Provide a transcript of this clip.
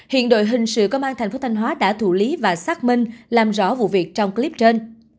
hiện đội hình sự công an tp thanh hóa đã thủ lý và xác minh làm rõ vụ việc trong clip trên